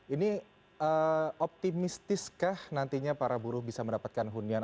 ini optimistiskah nantinya para buruh bisa mendapatkan hunian